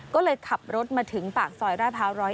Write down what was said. ก็เลยขับรถมาถึงปากซอยราชพร้าว๑๐๑